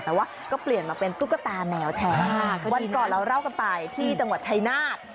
แต่ว่าก็เปลี่ยนมาเป็นตุ๊กตาแมวแทนวันก่อนเราเล่ากันไปที่จังหวัดชายนาฏ